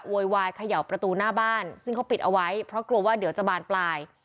โวยวายเขย่าประตูหน้าบ้านซึ่งเขาปิดเอาไว้เพราะกลัวว่าเดี๋ยวจะบานปลาย